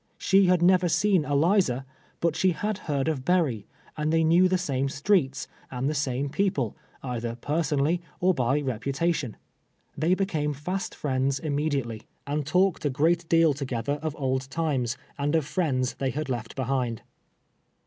She had never seen Eliza, but she had heard of Berry, and they knew the same streets, and the same people, either personally, or by reputation. They became fast friends immediately, 1)6 TWELVE YEARS A SLAVE. aiul talked a uroat deal together of old times, and of friends thev had left behind.